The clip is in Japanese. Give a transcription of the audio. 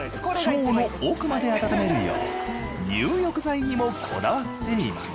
腸の奥まで温めるよう入浴剤にもこだわっています